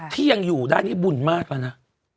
ที่ยังอยู่ได้นี่บุญมากแล้วนะ